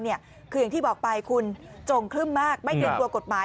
คืออย่างที่บอกไปคุณจงครึ่มมากไม่เกรงกลัวกฎหมาย